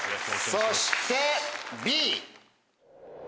そしてＢ！